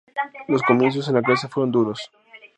Los comienzos en la clase fueron duros.